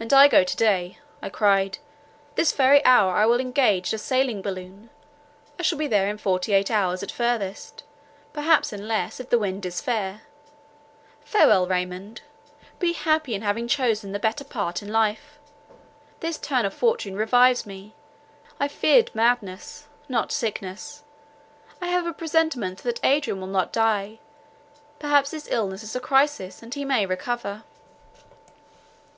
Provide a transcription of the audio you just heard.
"And I go to day," I cried; "this very hour I will engage a sailing balloon; I shall be there in forty eight hours at furthest, perhaps in less, if the wind is fair. Farewell, Raymond; be happy in having chosen the better part in life. This turn of fortune revives me. I feared madness, not sickness—I have a presentiment that Adrian will not die; perhaps this illness is a crisis, and he may recover."